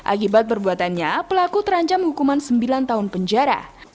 akibat perbuatannya pelaku terancam hukuman sembilan tahun penjara